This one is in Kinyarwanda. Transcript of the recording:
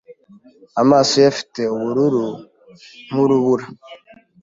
Amaso ye afite ubururu nk'urubura